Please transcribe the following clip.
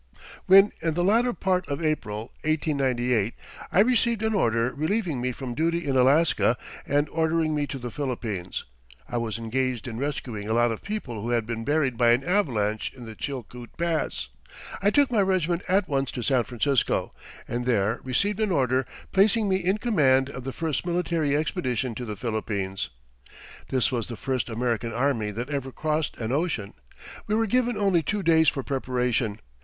"When in the latter part of April, 1898, I received an order relieving me from duty in Alaska and ordering me to the Philippines, I was engaged in rescuing a lot of people who had been buried by an avalanche in the Chilcoot Pass. I took my regiment at once to San Francisco, and there received an order placing me in command of the first military expedition to the Philippines. This was the first American army that ever crossed an ocean. We were given only two days for preparation.